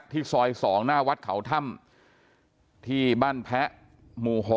ซอย๒หน้าวัดเขาถ้ำที่บ้านแพะหมู่๖